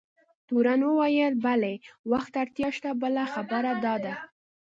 تورن وویل: بلي، وخت ته اړتیا شته، بله خبره دا ده.